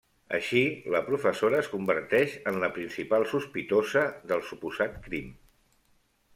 Així, la professora es converteix en la principal sospitosa del suposat crim.